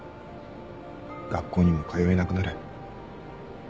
学校にも通えなくなる。